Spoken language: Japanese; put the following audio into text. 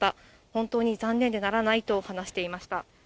本当に残念でならないと話していました。